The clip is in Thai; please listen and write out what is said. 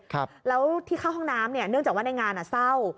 ครับแล้วที่เข้าห้องน้ำเนี่ยเนื่องจากว่าในงานอ่ะเศร้า